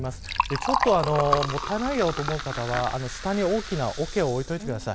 ちょっともったいないよと思う方は下に大きなおけを置いておいてください。